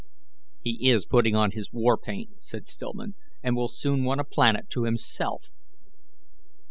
"He is putting on his war paint," said Stillman, "and will soon want a planet to himself."